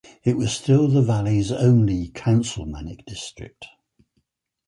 It was still the Valley's only councilmanic district.